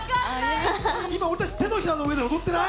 今俺たち、手のひらの上で踊ってない？